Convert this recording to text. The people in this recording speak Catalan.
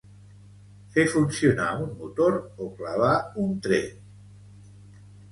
Fer funcionar un motor o clavar un tret.